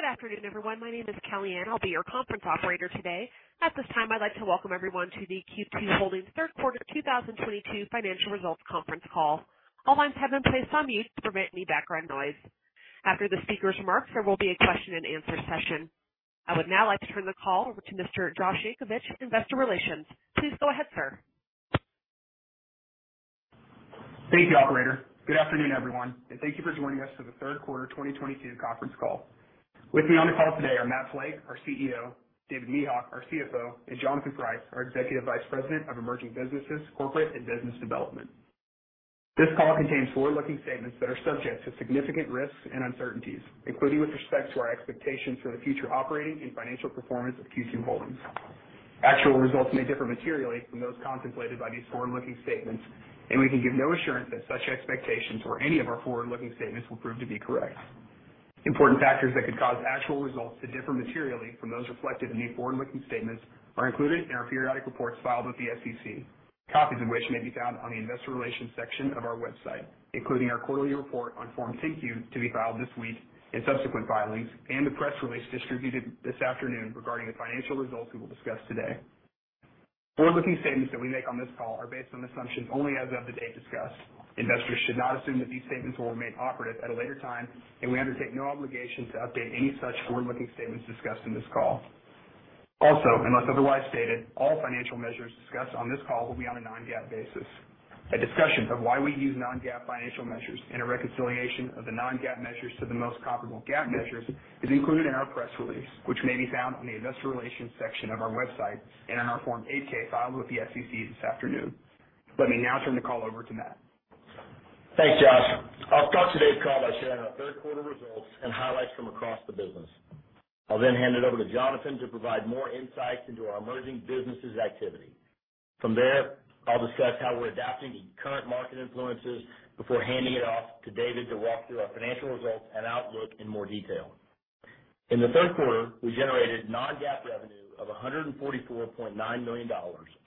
Good afternoon, everyone. My name is Kellyanne. I'll be your conference operator today. At this time, I'd like to welcome everyone to the Q2 Holdings third quarter 2022 financial results conference call. All lines have been placed on mute to prevent any background noise. After the speakers' remarks, there will be a question and answer session. I would now like to turn the call over to Mr. Josh Yankovich, Investor Relations. Please go ahead, sir. Thank you, operator. Good afternoon, everyone, and thank you for joining us for the third quarter 2022 conference call. With me on the call today are Matt Flake, our CEO; David Mehok, our CFO; and Jonathan Price, our Executive Vice President of Emerging Businesses, Corporate and Business Development. This call contains forward-looking statements that are subject to significant risks and uncertainties, including with respect to our expectations for the future operating and financial performance of Q2 Holdings. Actual results may differ materially from those contemplated by these forward-looking statements, and we can give no assurance that such expectations or any of our forward-looking statements will prove to be correct. Important factors that could cause actual results to differ materially from those reflected in the forward-looking statements are included in our periodic reports filed with the SEC, copies of which may be found on the investor relations section of our website, including our quarterly report on Form 10-Q to be filed this week and subsequent filings and the press release distributed this afternoon regarding the financial results we will discuss today. Forward-looking statements that we make on this call are based on assumptions only as of the date discussed. Investors should not assume that these statements will remain operative at a later time, and we undertake no obligation to update any such forward-looking statements discussed in this call. Also, unless otherwise stated, all financial measures discussed on this call will be on a non-GAAP basis. A discussion of why we use non-GAAP financial measures and a reconciliation of the non-GAAP measures to the most comparable GAAP measures is included in our press release, which may be found on the investor relations section of our website and in our Form 8-K filed with the SEC this afternoon. Let me now turn the call over to Matt. Thanks, Josh. I'll start today's call by sharing our third-quarter results and highlights from across the business. I'll then hand it over to Jonathan to provide more insights into our emerging business activity. From there, I'll discuss how we're adapting to current market influences before handing it off to David to walk through our financial results and outlook in more detail. In the third quarter, we generated non-GAAP revenue of $144.9 million,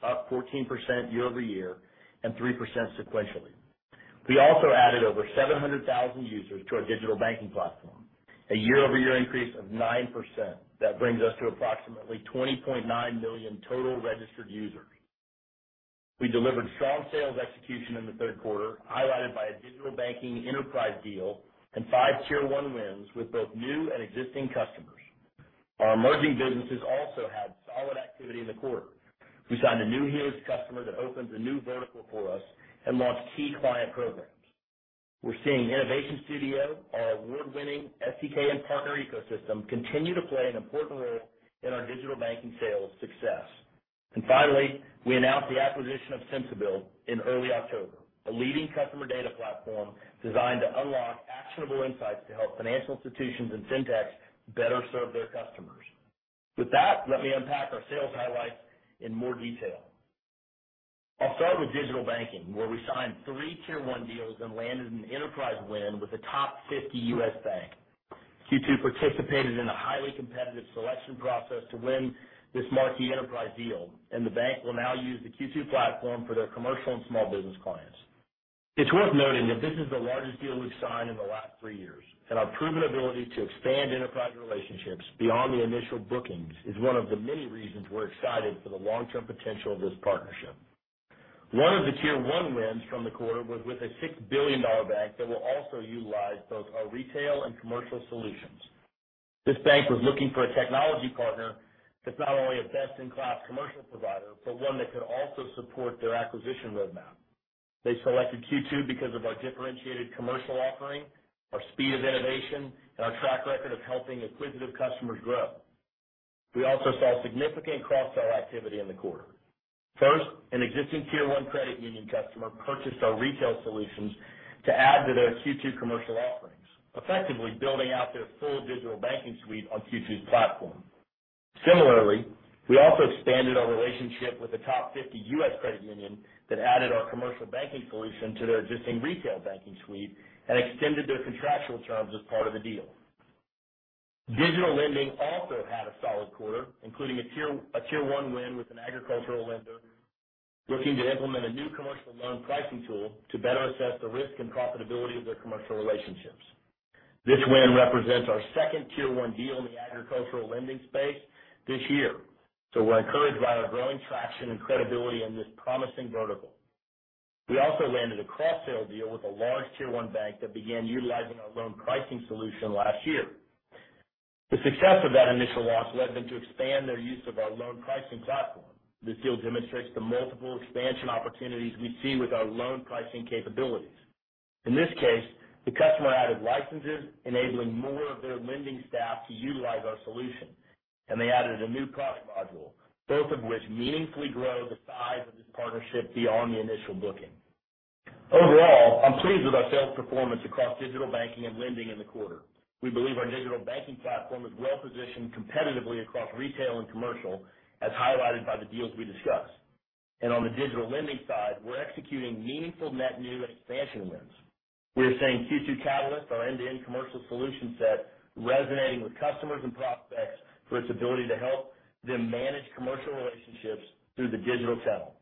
up 14% year-over-year and 3% sequentially. We also added over 700,000 users to our digital banking platform, a year-over-year increase of 9% that brings us to approximately 20.9 million total registered users. We delivered strong sales execution in the third quarter, highlighted by a digital banking enterprise deal and five tier-one wins with both new and existing customers. Our emerging businesses also had solid activity in the quarter. We signed a new huge customer that opens a new vertical for us and launched key client programs. We're seeing Innovation Studio, our award-winning SDK and partner ecosystem, continue to play an important role in our digital banking sales success. Finally, we announced the acquisition of Sensibill in early October, a leading customer data platform designed to unlock actionable insights to help financial institutions and fintechs better serve their customers. With that, let me unpack our sales highlights in more detail. I'll start with digital banking, where we signed three Tier 1 deals and landed an enterprise win with a top fifty U.S. bank. Q2 participated in a highly competitive selection process to win this marquee enterprise deal, and the bank will now use the Q2 platform for its commercial and small business clients. It's worth noting that this is the largest deal we've signed in the last three years, and our proven ability to expand enterprise relationships beyond the initial bookings is one of the many reasons we're excited for the long-term potential of this partnership. One of the Tier 1 wins from the quarter was with a $6 billion bank that will also utilize both our retail and commercial solutions. This bank was looking for a technology partner that's not only a best-in-class commercial provider but one that could also support their acquisition roadmap. They selected Q2 because of our differentiated commercial offering, our speed of innovation, and our track record of helping acquisitive customers grow. We also saw significant cross-sell activity in the quarter. First, an existing tier-one credit union customer purchased our retail solutions to add to their Q2 commercial offerings, effectively building out their full digital banking suite on Q2's platform. Similarly, we also expanded our relationship with a top 50 U.S. credit union that added our commercial banking solution to their existing retail banking suite and extended their contractual terms as part of the deal. Digital lending also had a solid quarter, including a tier-one win with an agricultural lender looking to implement a new commercial loan pricing tool to better assess the risk and profitability of their commercial relationships. This win represents our second tier-one deal in the agricultural lending space this year, so we're encouraged by our growing traction and credibility in this promising vertical. We also landed a cross-sell deal with a large tier-one bank that began utilizing our loan pricing solution last year. The success of that initial launch led them to expand their use of our loan pricing platform. This deal demonstrates the multiple expansion opportunities we see with our loan pricing capabilities. In this case, the customer added licenses, enabling more of their lending staff to utilize our solution, and they added a new product module, both of which meaningfully grow the size of this partnership beyond the initial booking. Overall, I'm pleased with our sales performance across digital banking and lending in the quarter. We believe our digital banking platform is well-positioned competitively across retail and commercial, as highlighted by the deals we discussed. On the digital lending side, we're executing meaningful net new and expansion wins. We are seeing Q2 Catalyst, our end-to-end commercial solution set, resonating with customers for its ability to help them manage commercial relationships through the digital channel,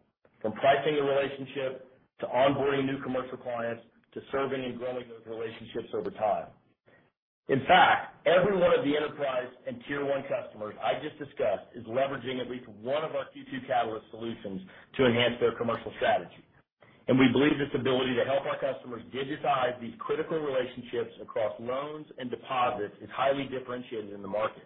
from pricing a relationship, to onboarding new commercial clients, to serving and growing those relationships over time. In fact, every one of the enterprise and Tier 1 customers I just discussed is leveraging at least one of our Q2 Catalyst solutions to enhance their commercial strategy. We believe this ability to help our customers digitize these critical relationships across loans and deposits is highly differentiated in the market.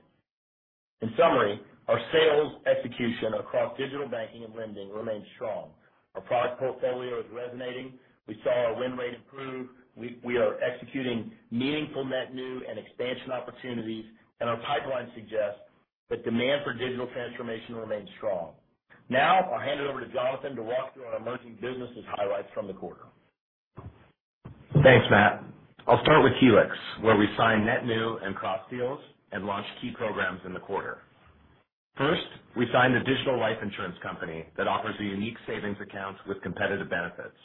In summary, our sales execution across digital banking and lending remains strong. Our product portfolio is resonating. We saw our win rate improve. We are executing meaningful net new and expansion opportunities, and our pipeline suggests that demand for digital transformation remains strong. Now I'll hand it over to Jonathan to walk through our emerging business highlights from the quarter. Thanks, Matt. I'll start with Helix, where we signed net new and cross deals and launched key programs in the quarter. First, we signed a digital life insurance company that offers a unique savings account with competitive benefits.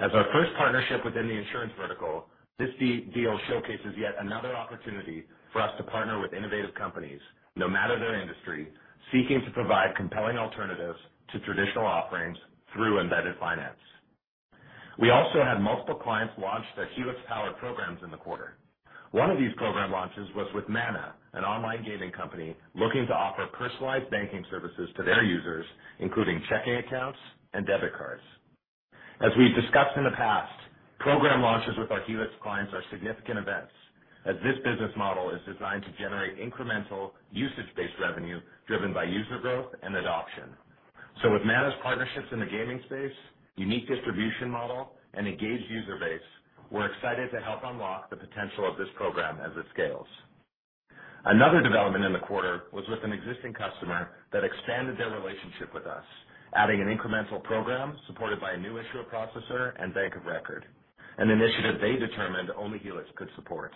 As our first partnership within the insurance vertical, this deal showcases yet another opportunity for us to partner with innovative companies, no matter their industry, seeking to provide compelling alternatives to traditional offerings through embedded finance. We also had multiple clients launch their Helix-powered programs in the quarter. One of these program launches was with Mana, an online gaming company looking to offer personalized banking services to their users, including checking accounts and debit cards. As we've discussed in the past, program launches with our Helix clients are significant events, as this business model is designed to generate incremental usage-based revenue driven by user growth and adoption. With Mana's partnerships in the gaming space, unique distribution model, and engaged user base, we're excited to help unlock the potential of this program as it scales. Another development in the quarter was with an existing customer that expanded their relationship with us, adding an incremental program supported by a new issuer processor and bank of record, an initiative they determined only Helix could support.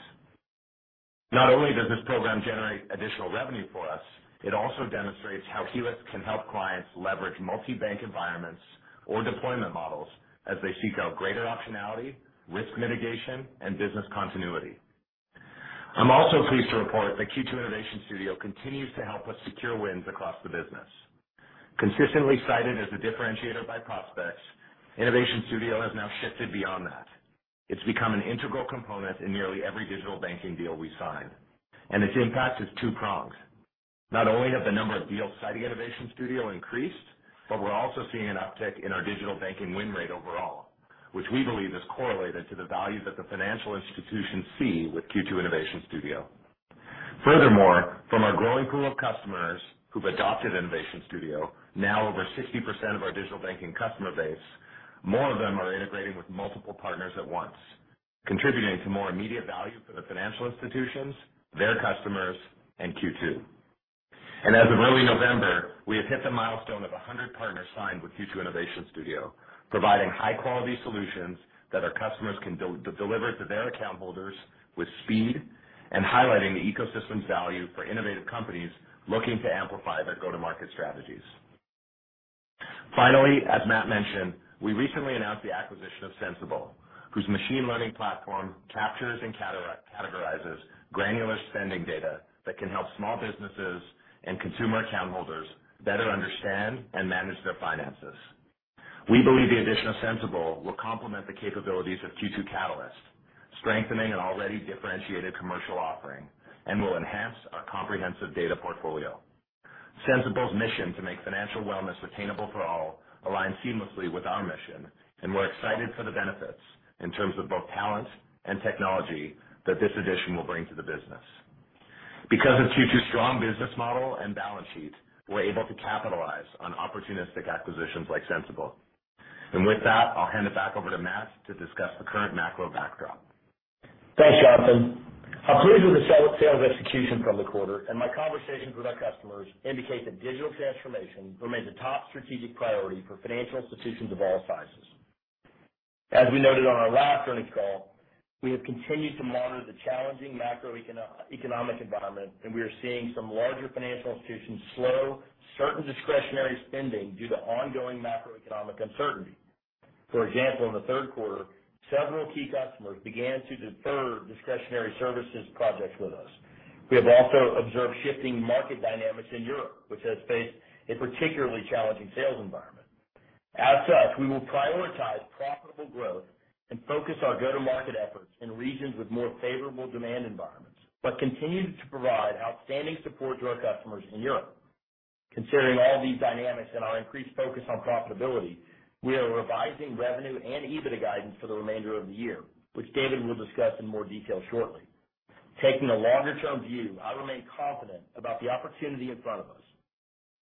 Not only does this program generate additional revenue for us, it also demonstrates how Helix can help clients leverage multi-bank environments or deployment models as they seek greater optionality, risk mitigation, and business continuity. I'm also pleased to report that Q2 Innovation Studio continues to help us secure wins across the business. Consistently cited as a differentiator by prospects, Innovation Studio has now shifted beyond that. It's become an integral component in nearly every digital banking deal we sign, and its impact is two-pronged. Not only has the number of deals citing Innovation Studio increased, but we're also seeing an uptick in our digital banking win rate overall, which we believe is correlated to the value that financial institutions see with Q2 Innovation Studio. Furthermore, from our growing pool of customers who've adopted Innovation Studio, now over 60% of our digital banking customer base, more of them are integrating with multiple partners at once, contributing to more immediate value for the financial institutions, their customers, and Q2. As of early November, we have hit the milestone of 100 partners signed with Q2 Innovation Studio, providing high-quality solutions that our customers can deliver to their account holders with speed and highlighting the ecosystem value for innovative companies looking to amplify their go-to-market strategies. Finally, as Matt mentioned, we recently announced the acquisition of Sensibill, whose machine learning platform captures and categorizes granular spending data that can help small businesses and consumer account holders better understand and manage their finances. We believe the addition of Sensibill will complement the capabilities of Q2 Catalyst, strengthening an already differentiated commercial offering, and will enhance our comprehensive data portfolio. Sensibill's mission to make financial wellness attainable for all aligns seamlessly with our mission, and we're excited about the benefits in terms of both talent and technology that this addition will bring to the business. Because of Q2's strong business model and balance sheet, we're able to capitalize on opportunistic acquisitions like Sensibill. With that, I'll hand it back over to Matt to discuss the current macro backdrop. Thanks, Jonathan. I'm pleased with the sales execution from the quarter, and my conversations with our customers indicate that digital transformation remains a top strategic priority for financial institutions of all sizes. As we noted on our last earnings call, we have continued to monitor the challenging macroeconomic environment, and we are seeing some larger financial institutions slow certain discretionary spending due to ongoing macroeconomic uncertainty. For example, in the third quarter, several key customers began to defer discretionary services projects with us. We have also observed shifting market dynamics in Europe, which has faced a particularly challenging sales environment. As such, we will prioritize profitable growth and focus our go-to-market efforts in regions with more favorable demand environments, but continue to provide outstanding support to our customers in Europe. Considering all these dynamics and our increased focus on profitability, we are revising revenue and EBITDA guidance for the remainder of the year, which David will discuss in more detail shortly. Taking a longer-term view, I remain confident about the opportunity in front of us.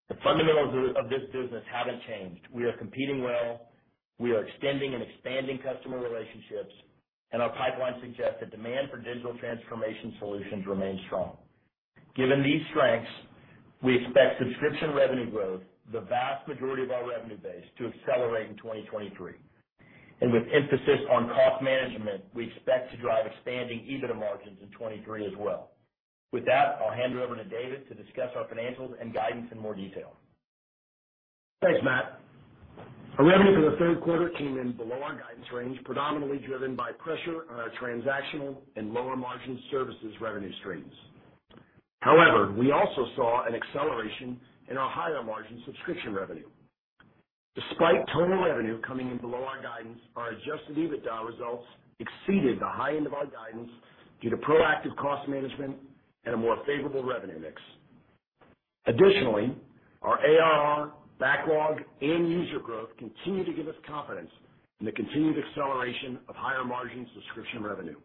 The fundamentals of this business haven't changed. We are competing well. We are extending and expanding customer relationships, and our pipeline suggests that demand for digital transformation solutions remains strong. Given these strengths, we expect subscription revenue growth, the vast majority of our revenue base, to accelerate in 2023. With an emphasis on cost management, we expect to drive expanding EBITDA margins in 2023 as well. With that, I'll hand it over to David to discuss our financials and guidance in more detail. Thanks, Matt. Our revenue for the third quarter came in below our guidance range, predominantly driven by pressure on our transactional and lower-margin services revenue streams. However, we also saw an acceleration in our higher-margin subscription revenue. Despite total revenue coming in below our guidance, our adjusted EBITDA results exceeded the high end of our guidance due to proactive cost management and a more favorable revenue mix. Additionally, our ARR backlog and user growth continue to give us confidence in the continued acceleration of higher-margin subscription revenue.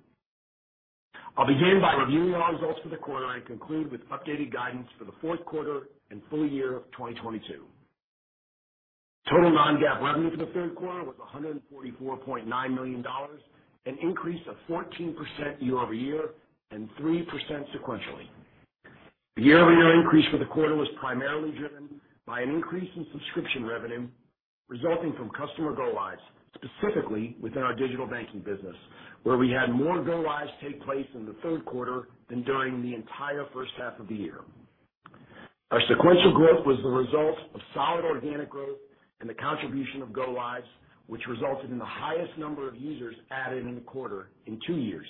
I'll begin by reviewing our results for the quarter and conclude with updated guidance for the fourth quarter and full year of 2022. Total non-GAAP revenue for the third quarter was $144.9 million, an increase of 14% year-over-year and 3% sequentially. The year-over-year increase for the quarter was primarily driven by an increase in subscription revenue resulting from customer go-lives, specifically within our digital banking business, where we had more go-lives take place in the third quarter than during the entire first half of the year. Our sequential growth was the result of solid organic growth and the contribution of go-lives, which resulted in the highest number of users added in the quarter in two years.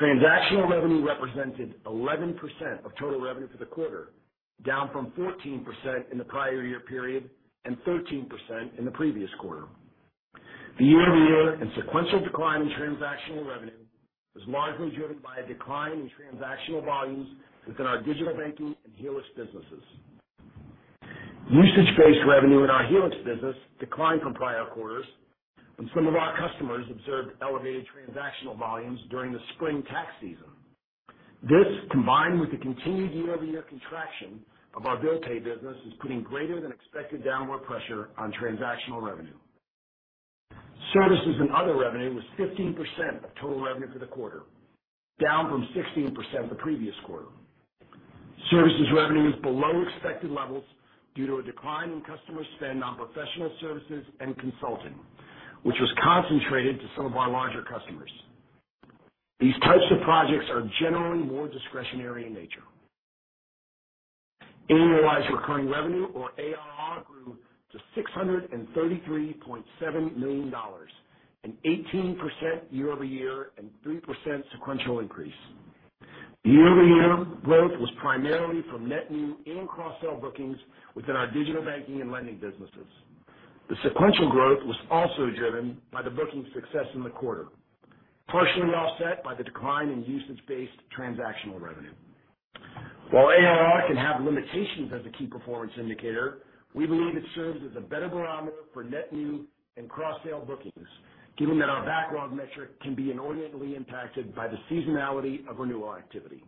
Transactional revenue represented 11% of total revenue for the quarter, down from 14% in the prior year period and 13% in the previous quarter. The year-over-year and sequential decline in transactional revenue was largely driven by a decline in transactional volumes within our digital banking and Helix businesses. Usage-based revenue in our Helix business declined from prior quarters when some of our customers observed elevated transactional volumes during the spring tax season. This, combined with the continued year-over-year contraction of our bill pay business, is putting greater than expected downward pressure on transactional revenue. Services and other revenue was 15% of total revenue for the quarter, down from 16% the previous quarter. Services revenue was below expected levels due to a decline in customer spending on professional services and consulting, which was concentrated in some of our larger customers. These types of projects are generally more discretionary in nature. Annualized recurring revenue or ARR grew to $633.7 million, an 18% year-over-year and 3% sequential increase. The year-over-year growth was primarily from net new and cross-sell bookings within our digital banking and lending businesses. The sequential growth was also driven by the booking success in the quarter, partially offset by the decline in usage-based transactional revenue. While ARR can have limitations as a key performance indicator, we believe it serves as a better barometer for net new and cross-sale bookings, given that our backlog metric can be inordinately impacted by the seasonality of renewal activity.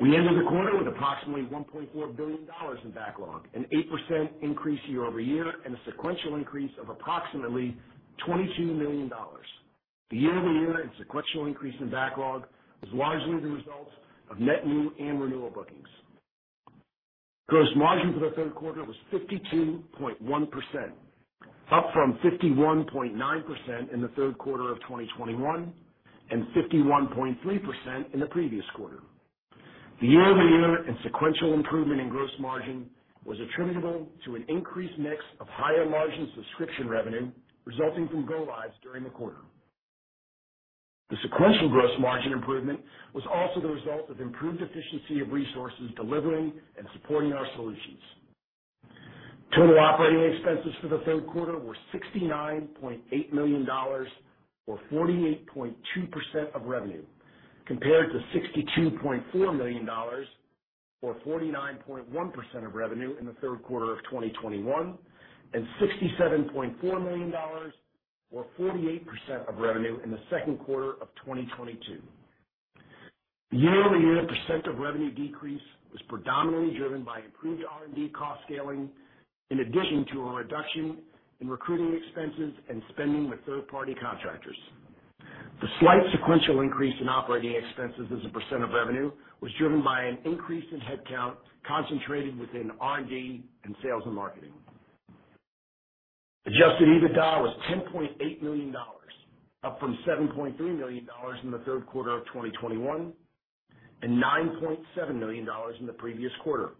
We ended the quarter with approximately $1.4 billion in backlog, an 8% increase year-over-year and a sequential increase of approximately $22 million. The year-over-year and sequential increase in backlog was largely the result of net new and renewal bookings. Gross margin for the third quarter was 52.1%, up from 51.9% in the third quarter of 2021 and 51.3% in the previous quarter. The year-over-year and sequential improvement in gross margin was attributable to an increased mix of higher-margin subscription revenue resulting from go-lives during the quarter. The sequential gross margin improvement was also the result of improved efficiency of resources delivering and supporting our solutions. Total operating expenses for the third quarter were $69.8 million or 48.2% of revenue, compared to $62.4 million or 49.1% of revenue in the third quarter of 2021 and $67.4 million or 48% of revenue in the second quarter of 2022. The year-over-year percentage of revenue decrease was predominantly driven by improved R&D cost scaling, in addition to a reduction in recruiting expenses and spending with third-party contractors. The slight sequential increase in operating expenses as a percentage of revenue was driven by an increase in headcount concentrated within R&D and sales and marketing. Adjusted EBITDA was $10.8 million, up from $7.3 million in the third quarter of 2021 and $9.7 million in the previous quarter.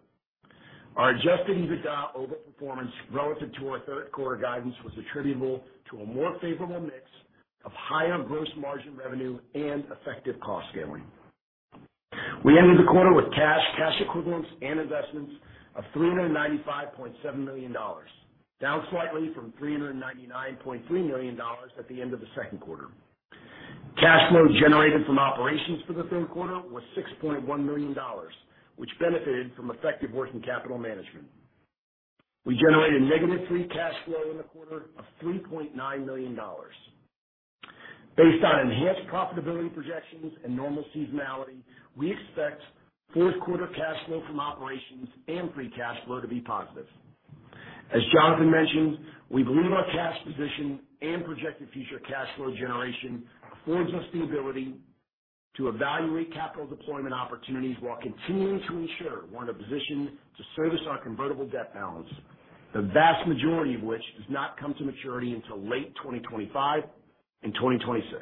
Our adjusted EBITDA overperformance relative to our third-quarter guidance was attributable to a more favorable mix of higher gross margin revenue and effective cost scaling. We ended the quarter with cash equivalents and investments of $395.7 million, down slightly from $399.3 million at the end of the second quarter. Cash flow generated from operations for the third quarter was $6.1 million, which benefited from effective working capital management. We generated negative free cash flow in the quarter of $3.9 million. Based on enhanced profitability projections and normal seasonality, we expect fourth-quarter cash flow from operations and free cash flow to be positive. As Jonathan mentioned, we believe our cash position and projected future cash flow generation afford us the ability to evaluate capital deployment opportunities while continuing to ensure we're in a position to service our convertible debt balance, the vast majority of which does not come to maturity until late 2025 and 2026.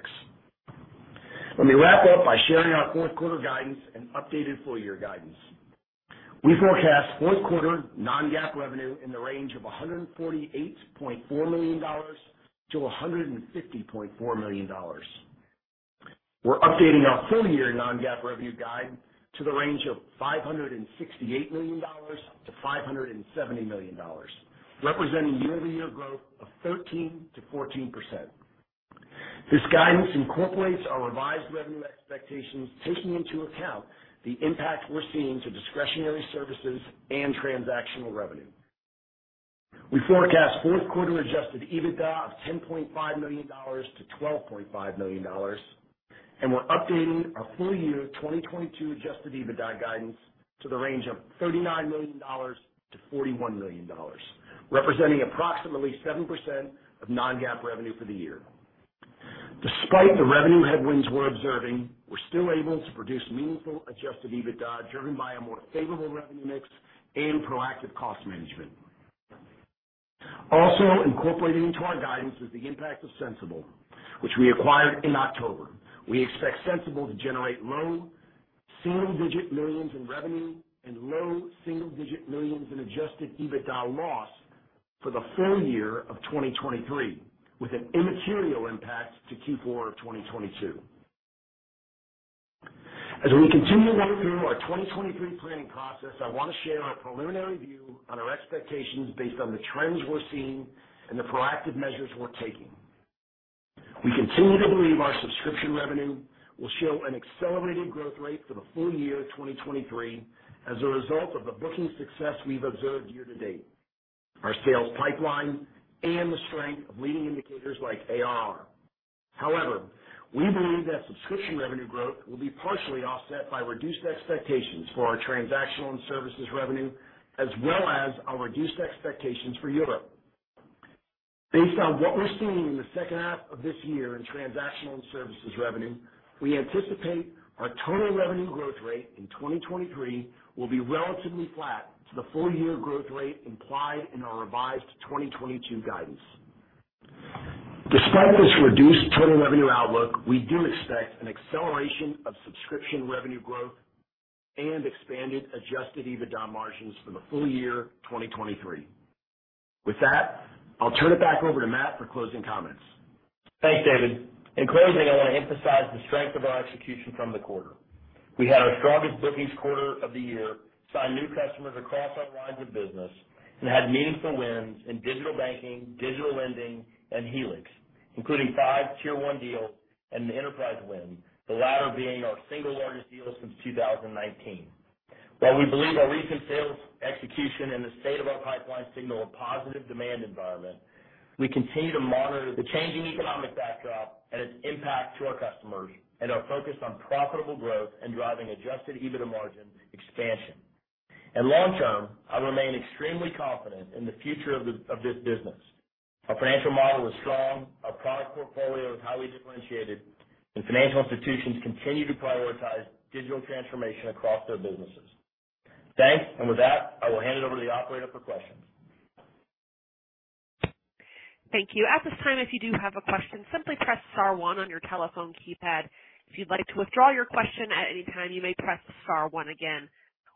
Let me wrap up by sharing our fourth-quarter guidance and updated full-year guidance. We forecast fourth-quarter non-GAAP revenue in the range of $148.4 million-$150.4 million. We're updating our full-year non-GAAP revenue guidance to the range of $568 million-$570 million, representing year-over-year growth of 13%-14%. This guidance incorporates our revised revenue expectations, taking into account the impact we're seeing on discretionary services and transactional revenue. We forecast fourth-quarter adjusted EBITDA of $10.5 million-$12.5 million, and we're updating our full-year 2022 adjusted EBITDA guidance to the range of $39 million-$41 million, representing approximately 7% of non-GAAP revenue for the year. Despite the revenue headwinds we're observing, we're still able to produce meaningful adjusted EBITDA, driven by a more favorable revenue mix and proactive cost management. Also incorporated into our guidance is the impact of Sensibill, which we acquired in October. We expect Sensibill to generate low single-digit millions in revenue and low single-digit millions in adjusted EBITDA loss for the full year of 2023, with an immaterial impact in Q4 of 2022. As we continue through our 2023 planning process, I want to share our preliminary view on our expectations based on the trends we're seeing and the proactive measures we're taking. We continue to believe our subscription revenue will show an accelerated growth rate for the full year 2023 as a result of the booking success we've observed year to date, our sales pipeline, and the strength of leading indicators like ARR. However, we believe that subscription revenue growth will be partially offset by reduced expectations for our transactional and services revenue, as well as our reduced expectations for Europe. Based on what we're seeing in the second half of this year in transactional and services revenue, we anticipate our total revenue growth rate in 2023 will be relatively flat to the full-year growth rate implied in our revised 2022 guidance. Despite this reduced total revenue outlook, we do expect an acceleration of subscription revenue growth and expanded adjusted EBITDA margins for the full year 2023. With that, I'll turn it back over to Matt for closing comments. Thanks, David. In closing, I want to emphasize the strength of our execution this quarter. We had our strongest bookings quarter of the year, signed new customers across our lines of business, and had meaningful wins in digital banking, digital lending, and Helix, including five Tier 1 deals and an enterprise win, the latter being our single largest deal since 2019. While we believe our recent sales execution and the state of our pipeline signal a positive demand environment, we continue to monitor the changing economic backdrop and its impact on our customers, and are focused on profitable growth and driving adjusted EBITDA margin expansion. Long term, I remain extremely confident in the future of this business. Our financial model is strong, our product portfolio is highly differentiated, and financial institutions continue to prioritize digital transformation across their businesses. Thanks. With that, I will hand it over to the operator for questions. Thank you. At this time, if you do have a question, simply press star one on your telephone keypad. If you'd like to withdraw your question at any time, you may press star one again.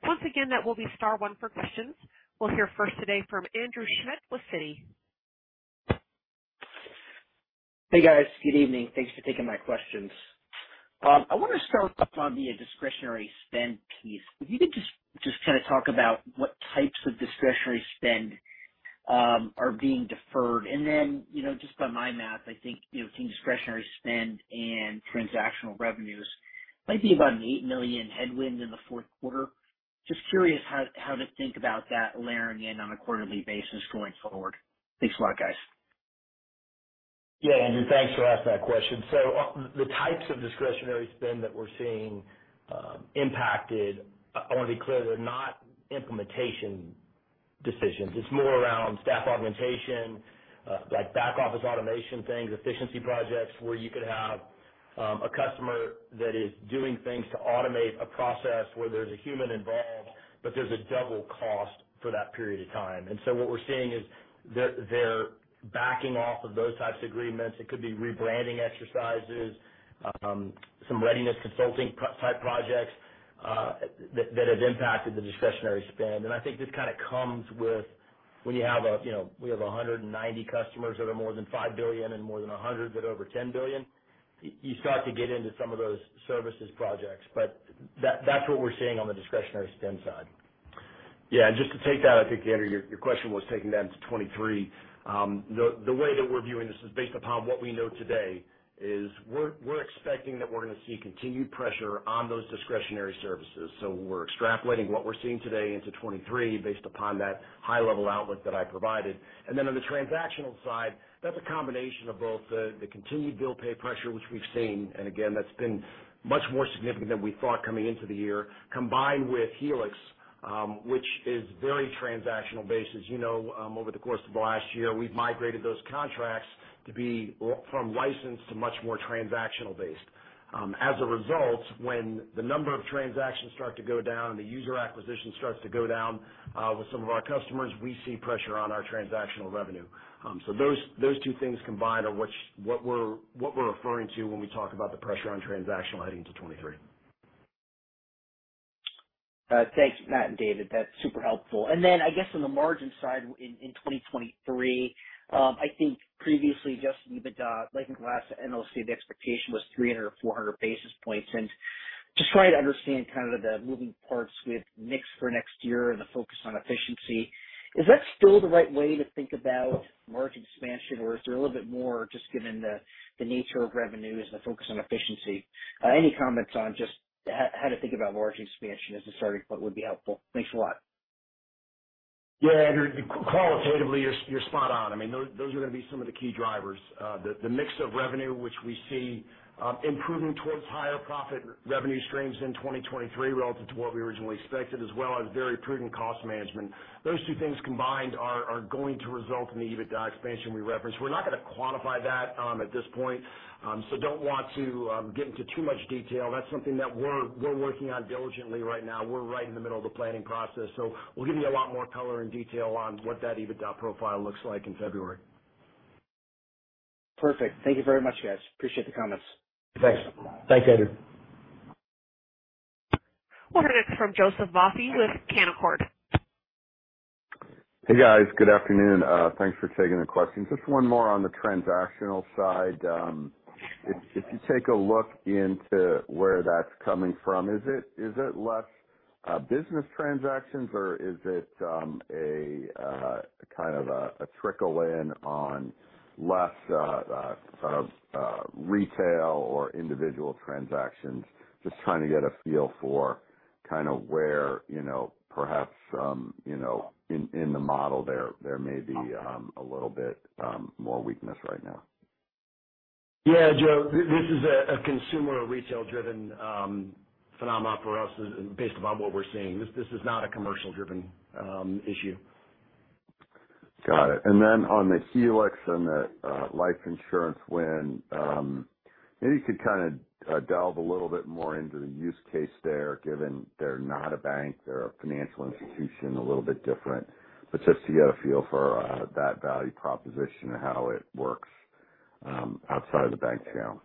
Once again, that will be star one for questions. We'll hear first today from Andrew Schmidt with Citi. Hey, guys. Good evening. Thanks for taking my questions. I want to start off on the discretionary spend piece. If you could just kind of talk about what types of discretionary spend are being deferred. You know, just by my math, I think, you know, between discretionary spend and transactional revenues might be about an $8 million headwind in the fourth quarter. Just curious how to think about that layering in on a quarterly basis going forward. Thanks a lot, guys. Yeah, Andrew, thanks for asking that question. The types of discretionary spend that we're seeing impacted, I want to be clear, are not implementation decisions. It's more around staff augmentation, like back-office automation things, efficiency projects, where you could have a customer that is doing things to automate a process where a human is involved, but there's a double cost for that period of time. What we're seeing is they're backing off of those types of agreements. It could be rebranding exercises, some readiness consulting-type projects that have impacted the discretionary spend. I think this kind of comes with having, you know, 190 customers that are more than $5 billion and more than 100 that are over $10 billion. You start to get into some of those services projects. That's what we're seeing on the discretionary spend side. Yeah, just to take that, I think, Andrew, your question was taking that into 2023. The way that we're viewing this is based upon what we know today is we're expecting that we're going to see continued pressure on those discretionary services. We're extrapolating what we're seeing today into 2023 based upon that high-level outlook that I provided. Then on the transactional side, that's a combination of both the continued bill pay pressure, which we've seen, and again, that's been much more significant than we thought coming into the year, combined with Helix, which is very transactional-based. As you know, over the course of the last year, we've migrated those contracts to be from licensed to much more transactional-based. As a result, when the number of transactions starts to go down, user acquisition starts to go down. With some of our customers, we see pressure on our transactional revenue. Those two things combined are what we're referring to when we talk about the pressure on transactional heading into 2023. Thanks, Matt and David. That's super helpful. I guess on the margin side in 2023, I think previously, just EBITDA, like in the last, the expectation was 300 or 400 basis points. Just trying to understand the moving parts with mix for next year and the focus on efficiency. Is that still the right way to think about margin expansion, or is there a little bit more just given the nature of revenues and the focus on efficiency? Any comments on just how to think about margin expansion as a starting point would be helpful. Thanks a lot. Yeah, Andrew, qualitatively, you're spot on. I mean, those are going to be some of the key drivers: the mix of revenue, which we see improving towards higher profit revenue streams in 2023 relative to what we originally expected, as well as very prudent cost management. Those two things combined are going to result in the EBITDA expansion we referenced. We're not going to quantify that at this point. Don't want to get into too much detail. That's something that we're working on diligently right now. We're right in the middle of the planning process. We'll give you a lot more color and detail on what that EBITDA profile looks like in February. Perfect. Thank you very much, guys. I appreciate the comments. Thanks. Thanks, Andrew. We'll hear next from Joseph Vafi of Canaccord Genuity. Hey, guys. Good afternoon. Thanks for taking the questions. Just one more on the transactional side. If you take a look into where that's coming from, is it less business transactions, or is it a kind of a trickle in on less retail or individual transactions? Just trying to get a feel for where, you know, perhaps, in the model there may be a little bit more weakness right now. Yes, Joe, this is a consumer retail-driven phenomenon for us, based upon what we're seeing. This is not a commercial-driven issue. Got it. Then, on the Helix and the life insurance win, maybe you could kind of delve a little bit more into the use case there, given they're not a bank; they're a financial institution, a little bit different. Just to get a feel for that value proposition and how it works outside of the bank account.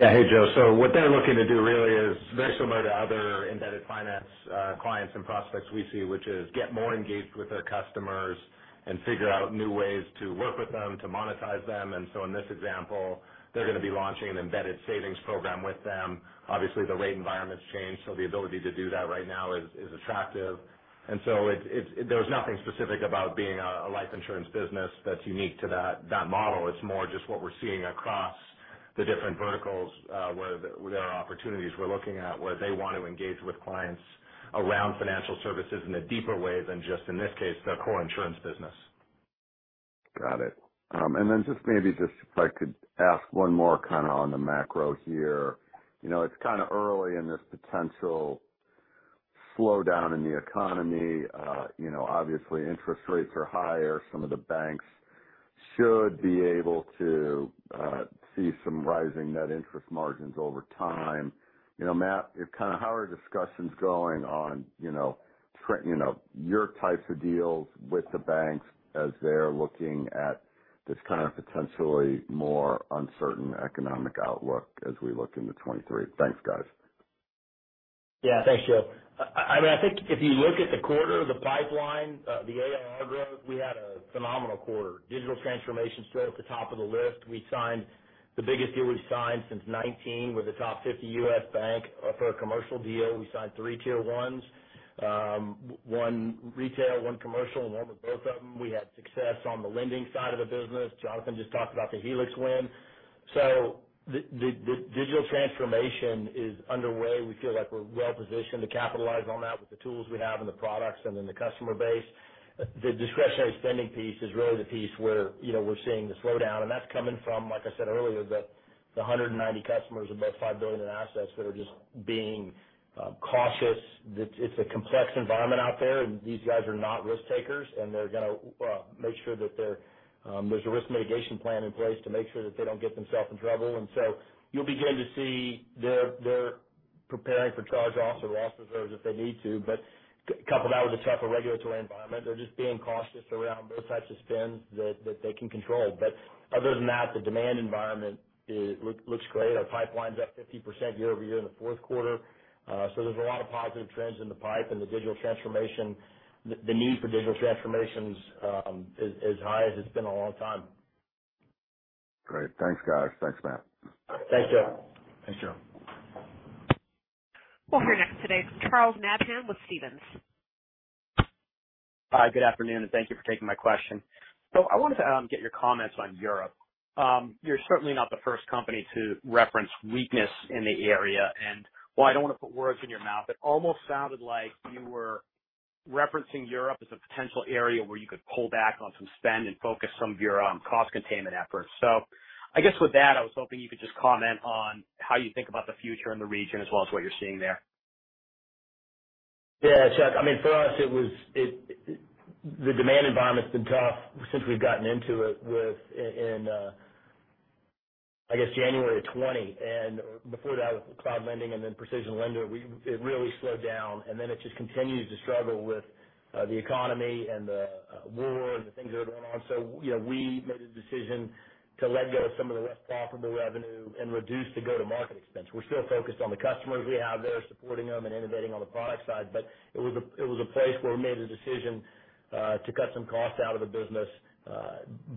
Yeah. Hey, Joe. What they're looking to do really is very similar to other embedded finance clients and prospects we see, which is to get more engaged with their customers and figure out new ways to work with them, to monetize them. In this example, they're going to be launching an embedded savings program with them. Obviously, the rate environment has changed, so the ability to do that right now is attractive. There's nothing specific about being a life insurance business that's unique to that model. It's more just what we're seeing across the different verticals, where there are opportunities we're looking at, where they want to engage with clients around financial services in a deeper way than just, in this case, their core insurance business. Got it. Just maybe if I could ask one more kind of on the macro here. You know, it's kind of early in this potential slowdown in the economy. You know, obviously interest rates are higher. Some of the banks should be able to see some rising net interest margins over time. You know, Matt, how are discussions going on regarding pricing, and your types of deals with the banks as they're looking at this potentially more uncertain economic outlook as we look into 2023? Thanks, guys. Yeah. Thanks, Joe. I mean, I think if you look at the quarter, the pipeline, the ARR growth, we had a phenomenal quarter. Digital transformation stayed at the top of the list. We signed the biggest deal we've signed since 2019 with a top 50 U.S. bank for a commercial deal. We signed three Tier 1s: one retail, one commercial, and one with both of them. We had success on the lending side of the business. Jonathan just talked about the Helix win. The digital transformation is underway. We feel like we're well-positioned to capitalize on that with the tools we have and the products and the customer base. The discretionary spending piece is really the piece where, you know, we're seeing the slowdown, and that's coming from, like I said earlier, the 190 customers with about $5 billion in assets that are just being cautious. It's a complex environment out there, and these guys are not risk-takers, and they're going to make sure that there's a risk mitigation plan in place to make sure that they don't get themselves in trouble. You'll begin to see they're preparing for charge-offs or loss reserves if they need to. But couple that with a tougher regulatory environment, they're just being cautious around those types of spends that they can control. But other than that, the demand environment, it looks great. Our pipeline's up 50% year-over-year in the fourth quarter. There are a lot of positive trends in the pipeline and in digital transformation. The need for digital transformation is as high as it's been in a long time. Great. Thanks, guys. Thanks, Matt. Thanks, Joe. Thanks, Joe. We'll hear next today from Charles Nabhan with Stephens. Hi, good afternoon, and thank you for taking my question. I wanted to get your comments on Europe. You're certainly not the first company to reference weakness in the area, and while I don't want to put words in your mouth, it almost sounded like you were referencing Europe as a potential area where you could pull back on some spend and focus some of your cost containment efforts. I guess with that, I was hoping you could just comment on how you think about the future in the region as well as what you're seeing there. Yeah, Chuck, I mean, for us, the demand environment's been tough since we got into it, I guess, in January of 2020. Before that, with Cloud Lending and then PrecisionLender, it really slowed, and then it just continues to struggle with the economy and the war, the things that are going on. You know, we made a decision to let go of some of the less profitable revenue and reduce the go-to-market expense. We're still focused on the customers we have there, supporting them and innovating on the product side, but it was a place where we made the decision to cut some costs out of the business.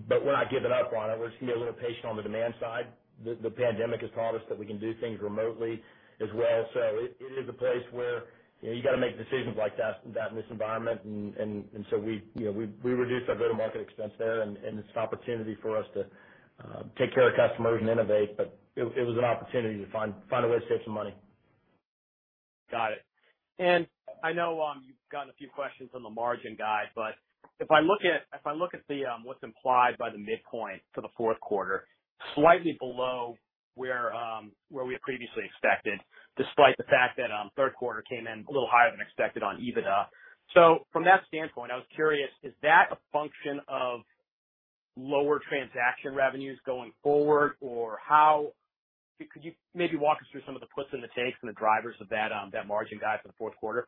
But we're not giving up on it. We're just being a little patient on the demand side. The pandemic has taught us that we can do things remotely as well. It is a place where, you know, you've got to make decisions like that in this environment. We, you know, reduced our go-to-market expense there, and it's an opportunity for us to take care of customers and innovate. It was an opportunity to find a way to save some money. Got it. I know you've gotten a few questions on the margin guide, but if I look at what's implied by the midpoint for the fourth quarter, it's slightly below where we had previously expected, despite the fact that the third quarter came in a little higher than expected on EBITDA. From that standpoint, I was curious: is that a function of lower transaction revenues going forward? Or could you maybe walk us through some of the puts and takes and the drivers of that margin guide for the fourth quarter?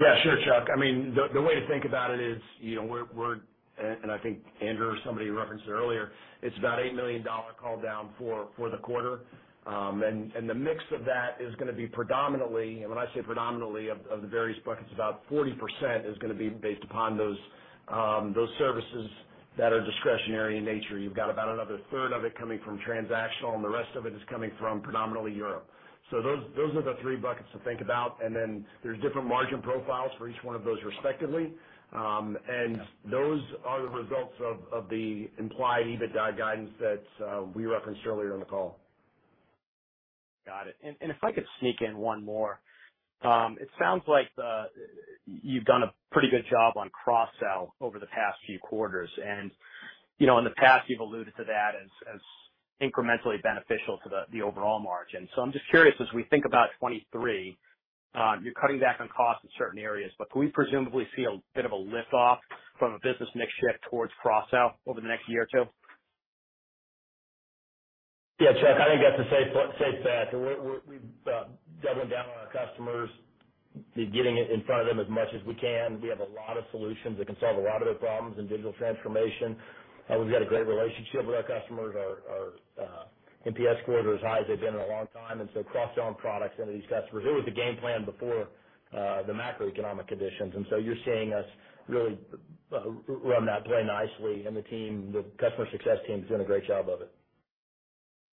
Yeah, sure, Chuck. I mean, the way to think about it is, you know, we're... I think Andrew or somebody referenced it earlier, it's about a $1 million drawdown for the quarter. The mix of that is going to be predominantly, and when I say predominantly, of the various buckets, about 40% is going to be based upon those services that are discretionary in nature. You've got about another third of it coming from transactional, and the rest of it is coming predominantly from Europe. Those are the three buckets to think about. Then there are different margin profiles for each one of those, respectively. Those are the results of the implied EBITDA guidance that we referenced earlier in the call. Got it. If I could sneak in one more. It sounds like you've done a pretty good job on cross-sell over the past few quarters. You know, in the past, you've alluded to that as incrementally beneficial to the overall margin. I'm just curious, as we think about 2023, you're cutting back on costs in certain areas, but can we presumably see a bit of a lift from a business mix shift towards cross-sell over the next year or two? Yeah, Chuck, I think that's a safe bet. We've doubled down on our customers, getting in front of them as much as we can. We have a lot of solutions that can solve a lot of their problems in digital transformation. We've got a great relationship with our customers. Our NPS scores are as high as they've been in a long time, and so we cross-sell products into these customers. It was the game plan before the macroeconomic conditions. You're seeing us really run that play nicely. The team, the customer success team, has done a great job of it.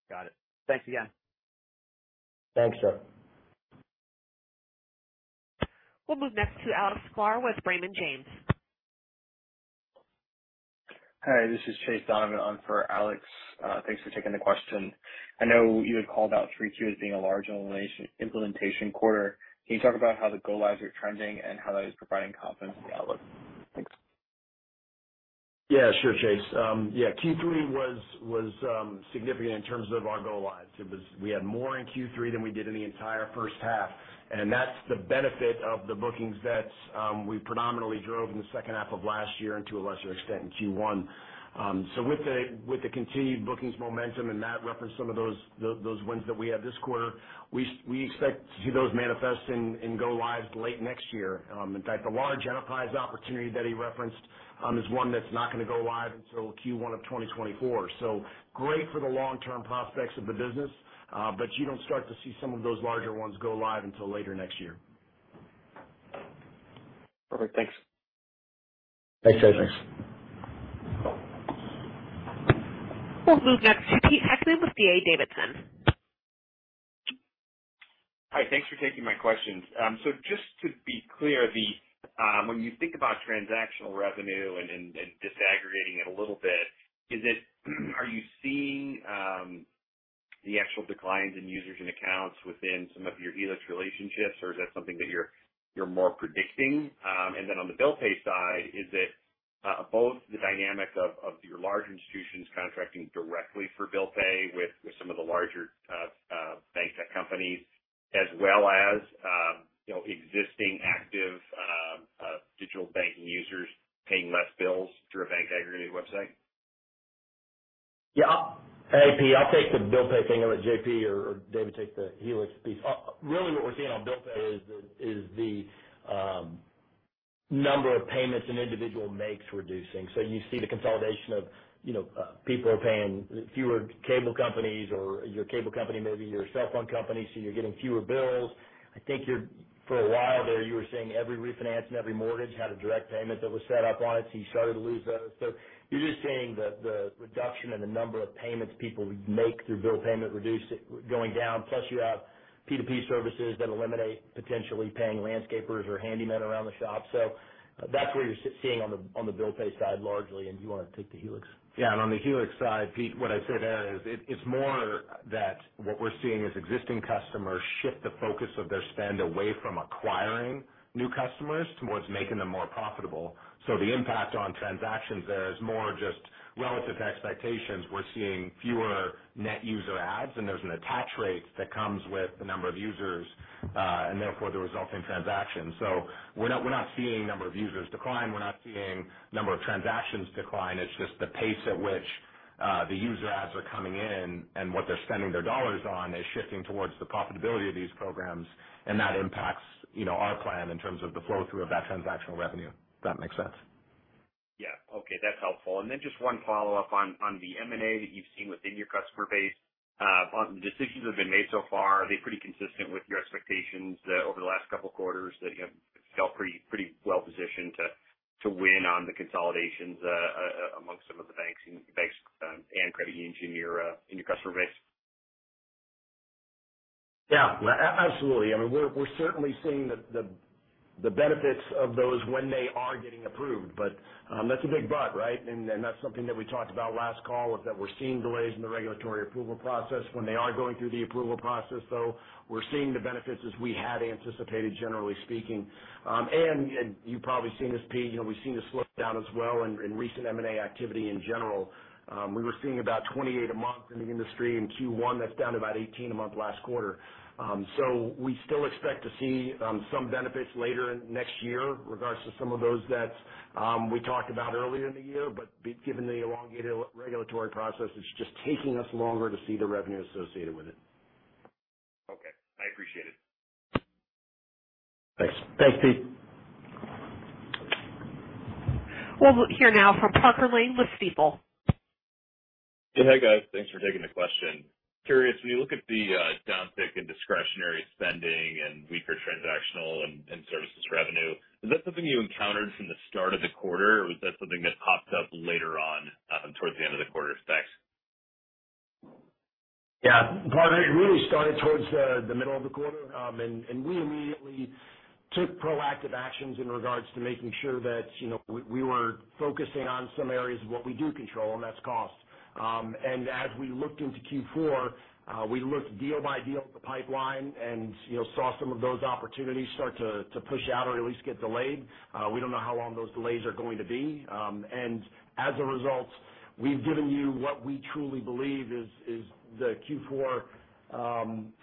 Got it. Thanks again. Thanks, Chuck. We'll move next to Alexander with Raymond James. Hi, this is Chase Donovan, in for Alex. Thanks for taking the question. I know you had called out Q3 as being a large implementation quarter. Can you talk about how the go-lives are trending and how that is providing confidence in the outlook? Thanks. Yeah, sure, Chase. Q3 was significant in terms of our go-lives. We had more in Q3 than we did in the entire first half. That's the benefit of the bookings that we predominantly drove in the second half of last year and, to a lesser extent, in Q1. With the continued bookings momentum, and Matt referenced some of those wins that we had this quarter, we expect to see those manifest in go-lives late next year. In fact, the large enterprise opportunity that he referenced is one that's not going to go live until Q1 of 2024. Great for the long-term prospects of the business, but you don't start to see some of those larger ones go live until later next year. Perfect. Thanks. Thanks, Chase. We'll move next to Pete Heckmann with D.A. Davidson. Hi. Thanks for taking my questions. Just to be clear, when you think about transactional revenue and disaggregating it a little bit, are you seeing actual declines in users and accounts within some of your Helix relationships, or is that something that you're more predicting? On the bill pay side, is it both the dynamic of your large institutions contracting directly for bill pay with some of the larger bank tech companies, as well as, you know, existing active digital banking users paying fewer bills through a bank-aggregated website? Yeah. Hey, Pete, I'll take the bill pay thing, and let JP or David take the Helix piece. Really, what we're seeing on bill pay is the number of payments an individual makes reducing. You see the consolidation of, you know, people are paying fewer cable companies or your cable company, maybe your cell phone company, so you're getting fewer bills. I think, for a while there, you were seeing every refinance and every mortgage had a direct payment that was set up on it, so you started to lose those. You're just seeing the reduction in the number of payments people make through bill payment reduce it going down. Plus, you have P2P services that eliminate potentially paying landscapers or handymen around the shop. That's what you're seeing on the bill pay side, largely. Do you wanna take the Helix? Yeah. On the Helix side, Pete, what I'd say there is, it's more that what we're seeing is existing customers shift the focus of their spend away from acquiring new customers towards making them more profitable. So the impact on transactions there is more just relative to expectations. We're seeing fewer net user adds, and there's an attach rate that comes with the number of users. Therefore the resulting transaction. We're not seeing number of users decline. We're not seeing number of transactions decline. It's just the pace at which the user adds are coming in and what they're spending their dollars on is shifting towards the profitability of these programs, and that impacts, you know, our plan in terms of the flow through of that transactional revenue, if that makes sense. Yeah. Okay, that's helpful. Just one follow-up on the M&A that you've seen within your customer base. On the decisions that have been made so far, are they pretty consistent with your expectations over the last couple of quarters that you have felt pretty well positioned to win on the consolidations among some of the banks and credit unions in your customer base? Yeah. Absolutely. I mean, we're certainly seeing the benefits of those when they are getting approved. That's a big but, right? That's something that we talked about last call is that we're seeing delays in the regulatory approval process. When they are going through the approval process, though, we're seeing the benefits as we had anticipated, generally speaking. You've probably seen this, Pete. You know, we've seen a slowdown as well in recent M&A activity in general. We were seeing about 28 a month in the industry in Q1. That's down to about 18 a month last quarter. We still expect to see some benefits later in next year with regards to some of those that we talked about earlier in the year. Given the elongated regulatory process, it's just taking us longer to see the revenue associated with it. Okay. I appreciate it. Thanks. Thanks, Pete. We'll hear now from Parker Lane with Stifel. Hey, guys. Thanks for taking the question. Curious, when you look at the downtick in discretionary spending and weaker transactional and services revenue, is that something you encountered from the start of the quarter, or was that something that popped up later on, towards the end of the quarter? Thanks. Yeah. Parker, it really started towards the middle of the quarter. We immediately took proactive actions in regards to making sure that, you know, we were focusing on some areas of what we do control, and that's cost. As we looked into Q4, we looked deal by deal at the pipeline and, you know, saw some of those opportunities start to push out or at least get delayed. We don't know how long those delays are going to be. As a result, we've given you what we truly believe is the Q4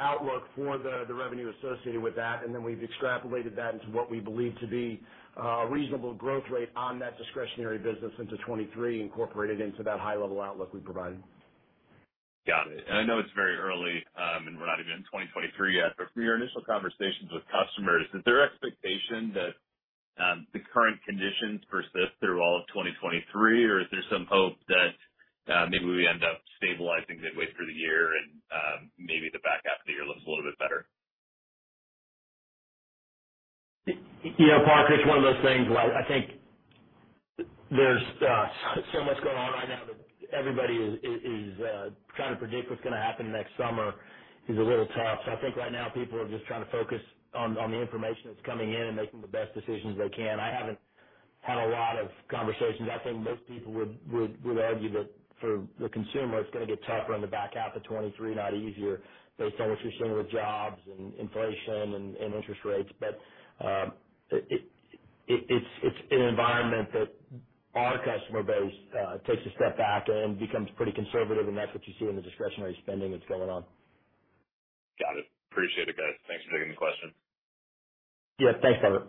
outlook for the revenue associated with that. We've extrapolated that into what we believe to be a reasonable growth rate on that discretionary business into 2023, incorporated into that high level outlook we provided. Got it. I know it's very early, and we're not even in 2023 yet, but from your initial conversations with customers, is their expectation that, the current conditions persist through all of 2023? Or is there some hope that, maybe we end up stabilizing midway through the year and, maybe the back half of the year looks a little bit better? You know, Parker, it's one of those things where I think there's so much going on right now that everybody is trying to predict what's gonna happen next summer is a little tough. I think right now people are just trying to focus on the information that's coming in and making the best decisions they can. I haven't had a lot of conversations. I think most people would argue that for the consumer, it's gonna get tougher on the back half of 2023, not easier, based on what you're seeing with jobs and inflation and interest rates. It's an environment that our customer base takes a step back and becomes pretty conservative, and that's what you see in the discretionary spending that's going on. Got it. Appreciate it, guys. Thanks for taking the question. Yeah. Thanks, Parker.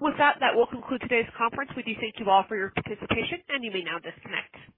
With that will conclude today's conference. We do thank you all for your participation, and you may now disconnect.